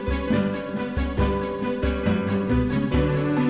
iya aku mau ke cidahu